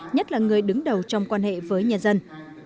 nhất là người đứng đầu trong quan hệ với nhân dân